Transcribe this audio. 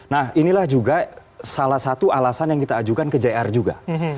nah inilah juga salah satu alasan yang kita ajukan ke jr juga